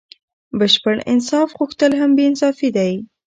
بشپړ انصاف غوښتل هم بې انصافي دئ.